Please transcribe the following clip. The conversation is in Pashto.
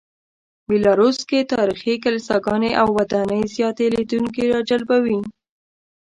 بیلاروس کې تاریخي کلیساګانې او ودانۍ زیاتې لیدونکي راجلبوي.